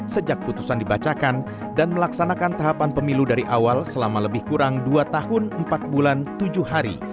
sejak putusan dibacakan dan melaksanakan tahapan pemilu dari awal selama lebih kurang dua tahun empat bulan tujuh hari